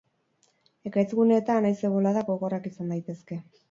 Ekaitz-guneetan, haize-boladak gogorrak izan daitezke.